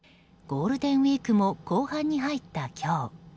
ゴールデンウィークも後半に入った今日。